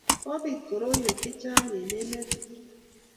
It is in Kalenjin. kobit koroiwek chechang eng emet tugul